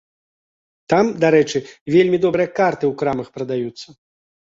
Там, дарэчы, вельмі добрыя карты ў крамах прадаюцца.